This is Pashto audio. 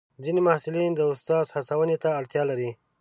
ځینې محصلین د استاد هڅونې ته اړتیا لري.